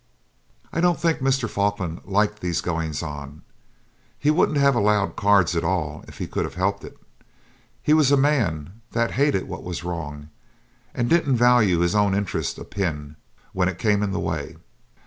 I don't think Mr. Falkland liked these goings on. He wouldn't have allowed cards at all if he could have helped it. He was a man that hated what was wrong, and didn't value his own interest a pin when it came in the way.